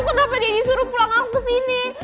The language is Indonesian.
kenapa deddy suruh pulang aku ke sini